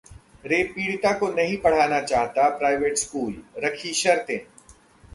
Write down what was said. rape पीड़िता को नहीं पढ़ाना चाहता प्राइवेट स्कूल, रखीं शर्तें...